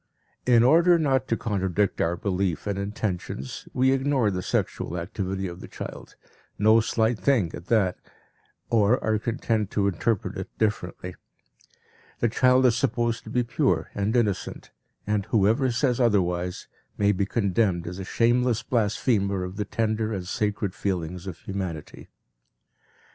In order not to contradict our belief and intentions, we ignore the sexual activity of the child no slight thing, at that or are content to interpret it differently. The child is supposed to be pure and innocent, and whoever says otherwise may be condemned as a shameless blasphemer of the tender and sacred feelings of humanity.